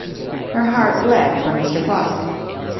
Her heart bled for Mr. Faucitt.